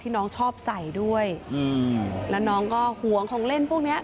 น้องชอบใส่ด้วยอืมแล้วน้องก็ห่วงของเล่นพวกเนี้ย